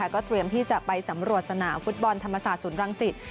ก็เตรียมที่จะไปสำรวจสนามฟุตบอลธรรมศาสตร์ศูนย์รังสิต